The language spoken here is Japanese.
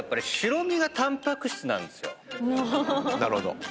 なるほど。